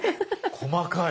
細かい。